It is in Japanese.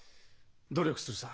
努力するさ。